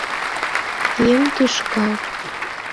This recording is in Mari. Еҥ тӱшка